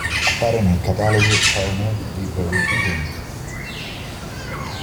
Appare nel catalogo "Turner library print".